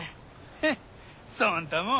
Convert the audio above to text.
ヘッそんたもん